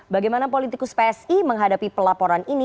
bagaimana politikus psi menghadapi pelaporan ini